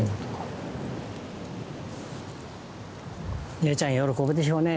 ねえちゃん喜ぶでしょうね。